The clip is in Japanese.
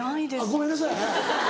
ごめんなさい。